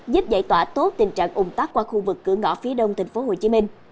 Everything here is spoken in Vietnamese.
giúp giải tỏa tốt tình trạng ủng tắc qua khu vực cửa ngõ phía đông thành phố hồ chí minh